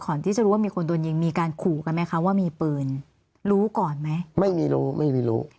ก่อนที่จะรู้ว่ามีคนโดนยิงมีการขู่กันไหมคะว่ามีปืนรู้ก่อนไหมไม่รู้ไม่มีรู้